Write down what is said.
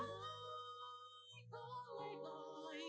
anh nhớ em một lần tay thôi